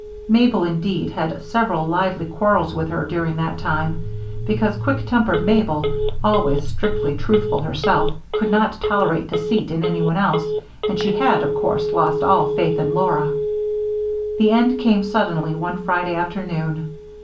Mabel, indeed, had several lively quarrels with her during that time, because quick tempered Mabel, always strictly truthful herself, could not tolerate deceit in anyone else, and she had, of course, lost all faith in Laura. The end came suddenly one Friday afternoon.